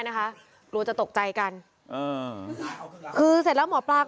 เธอเป็นผู้ชายหรือผู้หญิง